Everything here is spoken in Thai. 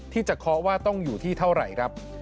เคาะว่าต้องอยู่ที่เท่าไหร่ครับ